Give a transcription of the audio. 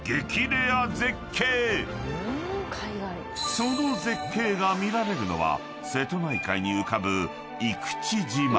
［その絶景が見られるのは瀬戸内海に浮かぶ］